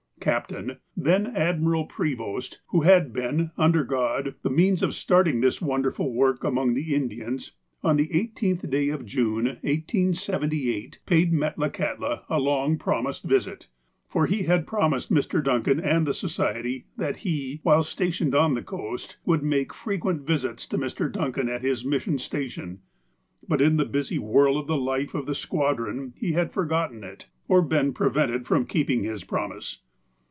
Captain (then Admiral) Prevost, who had been, under God, the means of starting this wonderful work among the Indians, on the 18th day of June, 1878, paid Metlakahtla a long promised visit, for he had promised Mr. Duncan and the Society that he, while stationed on the coast, would make frequent visits to Mr. Duncan at his mission station. But in the busy whirl of the life of the squadron he had forgotten it, or been prevented from keeping his promise.